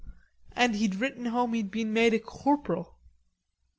And he'd written home he'd been made a corporal.